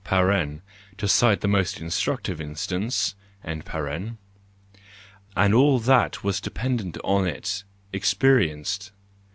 (to cite the most instructive instance), and all that was dependent on it, ex¬ perienced.